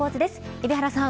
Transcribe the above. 海老原さん